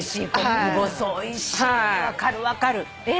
分かる分かる。